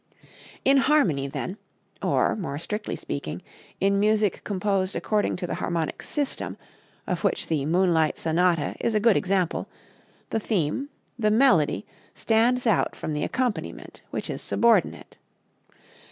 In harmony, then, or, more strictly speaking, in music composed according to the harmonic system, of which the "Moonlight Sonata" is a good example, the theme, the melody, stands out from the accompaniment, which is subordinate.